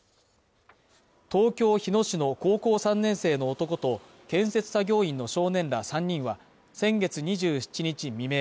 東京日野市の高校３年生の男と建設作業員の少年ら３人は先月２７日未明